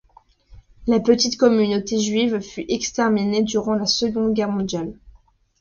La petite communauté juive fut exterminée durant la Seconde Guerre mondiale.